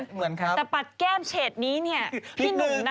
เหมือนแต่ปัดแก้มเชตนี้นี่